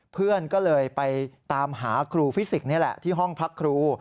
เพื่อนก็เลยไปตามหาครูฟิสิกส์นี่แหละที่ห้องพักครู